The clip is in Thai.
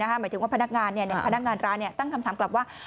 หมายถึงว่าพนักงานพนักงานร้านตั้งคำถามกลับว่า